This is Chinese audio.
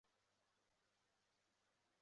福岛氏由福岛忠胜的孙子正胜继嗣。